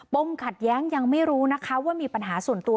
ขัดแย้งยังไม่รู้นะคะว่ามีปัญหาส่วนตัว